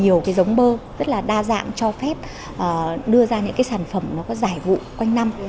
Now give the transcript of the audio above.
nhiều cái giống bơ rất là đa dạng cho phép đưa ra những cái sản phẩm nó có giải vụ quanh năm